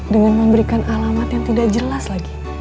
dengan memberikan alamat yang tidak jelas lagi